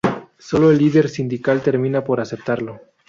Sólo el líder sindical termina por aceptarlo.